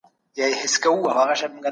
ودونه په هر ځای کې یو شان نه دي.